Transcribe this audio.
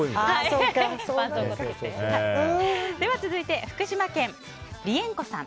では続いて、福島県の方。